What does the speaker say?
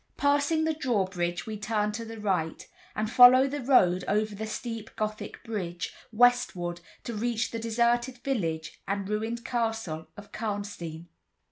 Passing the drawbridge we turn to the right, and follow the road over the steep Gothic bridge, westward, to reach the deserted village and ruined castle of Karnstein.